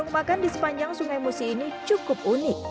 makan di sepanjang sungai musi ini cukup unik